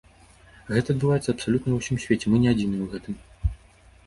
Гэта адбываецца абсалютна ва ўсім свеце, мы не адзіныя ў гэтым.